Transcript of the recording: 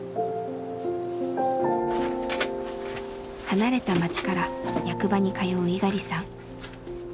離れた町から役場に通う猪狩さん。